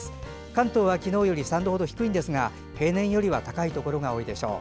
関東は昨日より３度程低いですが平年よりは高いところが多いでしょう。